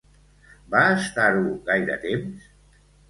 Va estar-ho gaire temps?